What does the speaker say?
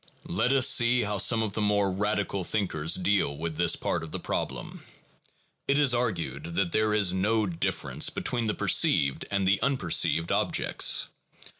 Let us see how some of the more radical thinkers deal with this part of our problem. It is argued that there is no difference between the perceived and the unperceived objects.